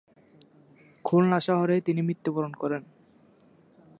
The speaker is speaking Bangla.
খুলনা শহরেই তিনি মৃত্যুবরণ করেন।